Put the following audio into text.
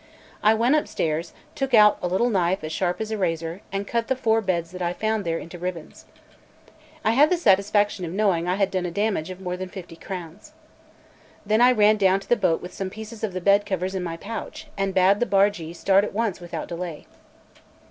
I went upstairs, took out a little knife as sharp as a razor, and cut the four beds that I found there into ribbons. I had the satisfaction of knowing I had done a damage of more than fifty crowns. Then I ran down to the boat with some pieces of the bed covers in my pouch, and bade the bargee start at once without delay.